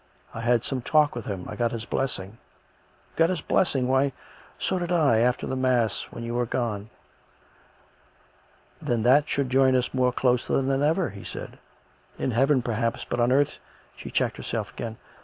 " I had some talk with him. I got his blessing." " You got his blessing ! Why, so did I, after the mass^ when you were gone." " Then that should join us more closely than ever," he said. " In Heaven, perhaps, but on earth " She checked herself again.